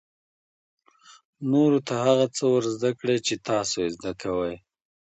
نورو ته هغه څه ور زده کړئ چې تاسو یې زده کوئ.